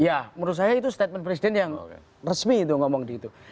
ya menurut saya itu statement presiden yang resmi itu ngomong di itu